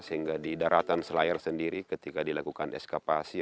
sehingga di daratan selayar sendiri ketika dilakukan eskapasi